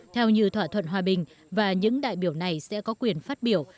theo như thỏa thuận hòa bình và những đại biểu này sẽ có quyền phát biểu